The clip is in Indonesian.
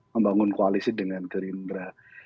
membangun koalisi dengan gerindra